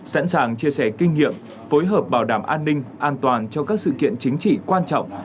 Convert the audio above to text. sẵn sàng chia sẻ kinh nghiệm phối hợp bảo đảm an ninh an toàn cho các sự kiện chính trị quan trọng